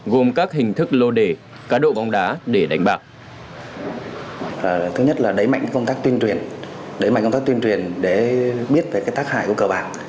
gồm các hình thức lô đề cá độ bóng đá để đánh bạc